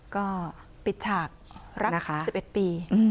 ก็ปิดฉากรักษา๑๑ปี